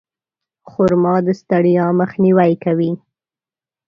خرما د ستړیا مخنیوی کوي.